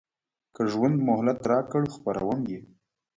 که ژوند مهلت راکړ خپروم یې.